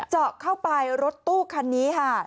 เจาะเข้าไปรถตู้คันนี้ค่ะ